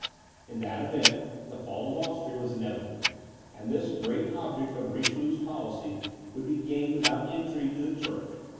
In that event, the fall of Austria was inevitable, and this great object of Richelieu's policy would be gained without injury to the church.